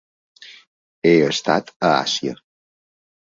He estat a Àsia.